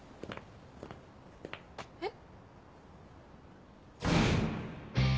えっ？